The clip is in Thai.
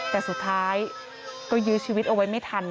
แต่สุดท้ายก็ยื้อชีวิตเอาไว้ไม่ทัน